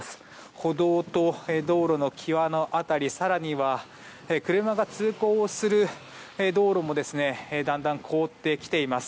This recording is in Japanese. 歩道と道路の際の辺り更には、車が通行をする道路もだんだん凍ってきています。